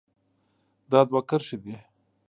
دا دوه کرښې دي.